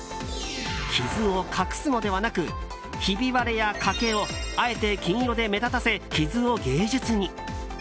傷を隠すのではなくひび割れや欠けをあえて金色で目立たせ傷を芸術に。